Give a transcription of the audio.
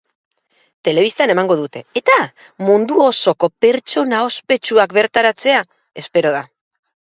Telebistan emango dute eta mundu osoko pertsona ospetsuak bertaratzea espero da.